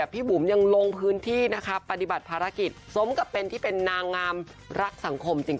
พี่บุ๋มยังลงพื้นที่ปฎิบัติพาระกิจซ้มกับหนางามรักสังคมจริง